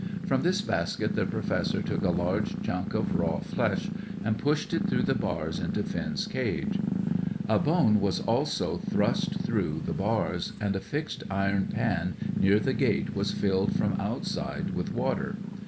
From this basket the Professor took a large chunk of raw flesh, and pushed it through the bars into Finn's cage. A bone was also thrust through the bars, and a fixed iron pan near the gate was filled from outside with water.